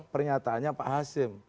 pernyataannya pak hasim